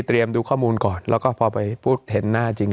ดูข้อมูลก่อนแล้วก็พอไปพูดเห็นหน้าจริง